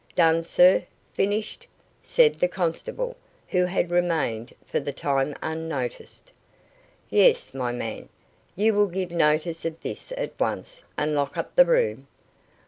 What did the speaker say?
"Done, sir? Finished?" said the constable, who had remained for the time unnoticed. "Yes, my man. You will give notice of this at once, and lock up the room."